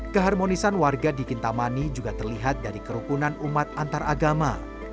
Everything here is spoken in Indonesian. keharmonisan warga di kintamani juga terlihat dari kerukunan umat antar agama